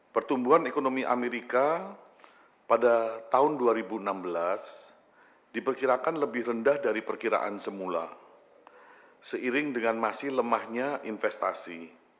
pertumbuhan ekonomi amerika pada tahun dua ribu enam belas diperkirakan lebih rendah dari perkiraan semula seiring dengan masih lemahnya investasi